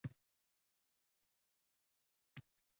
— He, o‘sha!..